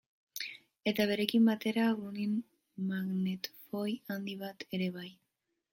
Eta berekin batera Grundig magnetofoi handi bat ere bai.